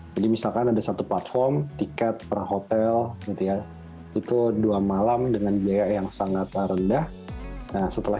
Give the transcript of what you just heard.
jadi misalkan ada satu platform tiket per hotel itu dua malam dengan biaya yang sangat rendah